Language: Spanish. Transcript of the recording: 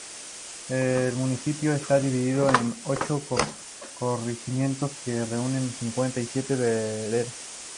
El municipio está dividido en ocho corregimientos que reúnen cincuenta y siete veredas.